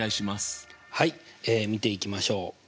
はい見ていきましょう。